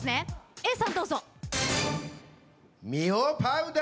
Ａさんどうぞ。